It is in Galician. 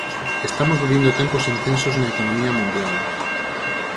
Estamos vivindo tempos intensos na economía mundial.